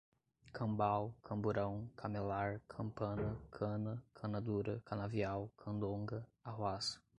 cambau, camburão, camelar, campana, cana, cana dura, canavial, candonga, arruaça